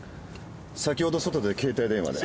先ほど外で携帯電話で。